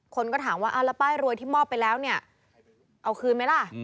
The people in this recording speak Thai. คนก็ถามว่าเอาแล้วป้ายรวยที่มอบไปแล้วเนี่ยเอาคืนไหมล่ะ